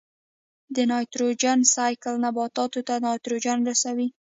د نایټروجن سائیکل نباتاتو ته نایټروجن رسوي.